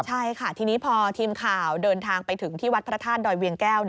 ใช่ค่ะทีนี้พอทีมข่าวเดินทางไปถึงที่วัดพระธาตุดอยเวียงแก้ว